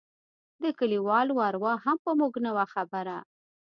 د کليوالو اروا هم په موږ نه وه خبره.